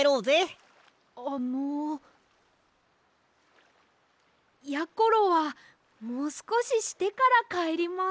あのやころはもうすこししてからかえります。